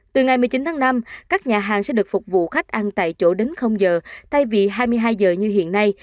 từ ngày một mươi chín tháng năm các nhà hàng sẽ được phục vụ khách ăn tại chỗ đến giờ thay vì hai mươi hai giờ như hiện nay